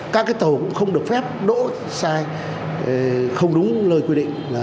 các tàu cũng không được phép đỗ sai không đúng nơi quy định